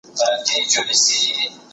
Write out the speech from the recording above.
ځینې ښځې د ایسکریم غوښتنه کوي.